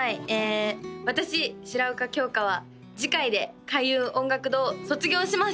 私白岡今日花は次回で開運音楽堂を卒業します！